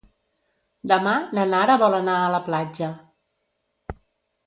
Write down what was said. Demà na Nara vol anar a la platja.